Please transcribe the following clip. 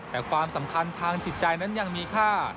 แต่ความสำคัญทางจิตใจนั้นยังมีค่า